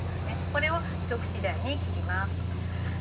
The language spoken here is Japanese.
これを一口大に切ります。